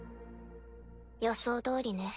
予想どおりね。